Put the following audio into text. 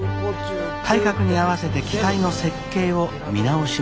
体格に合わせて機体の設計を見直します。